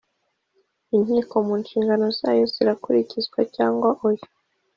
Inkiko mu nshingano zayo zirakurikizwa cyangwa oya